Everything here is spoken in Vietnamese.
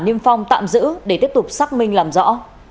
niêm phong tạm giữ để tiếp tục xác minh làm rõ